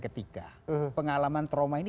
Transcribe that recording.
ketiga pengalaman trauma ini